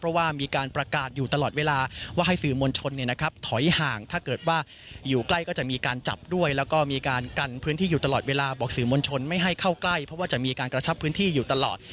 เพราะว่ามีการประกาศอยู่ตลอดเวลาว่าให้สื่อมวลชนถอยห่างถ้าเกิดว่าอยู่ใกล้ก็จะมีการจับด้วยแล้วก็มีการกันพื้นที่อยู่ตลอดเวลาบอกสื่อมวลชนไม่ให้เข้าใกล้เพราะว่าจะมีการกระชับพื้นที่อยู่ตลอด